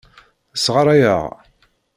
Sɣaṛayeɣ.